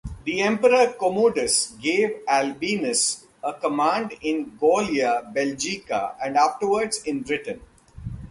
The Emperor Commodus gave Albinus a command in Gallia Belgica and afterwards in Britain.